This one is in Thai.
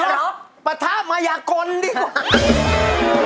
เหรอปะทะมายากลดีกว่า